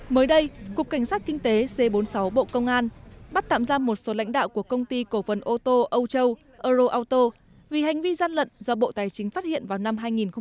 mới đây cục cảnh sát kinh tế c bốn mươi sáu bộ công an bắt tạm ra một số lãnh đạo của công ty cổ phần ô tô âu châu euro auto vì hành vi gian lận do bộ tài chính phát hiện vào năm hai nghìn một mươi